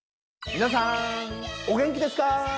皆さんお元気ですか？